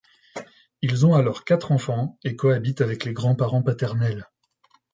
Ils ont alors quatre enfants et co-habitent avec les grands parents paternels.